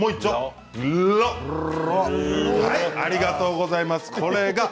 ありがとうございます。